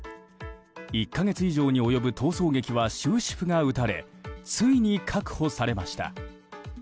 １か月以上に及ぶ逃走劇は終止符が打たれついに確保されました。